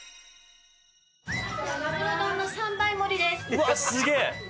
うわっすげえ！